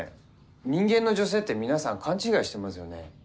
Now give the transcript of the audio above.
人間の女性って皆さん勘違いしてますよね。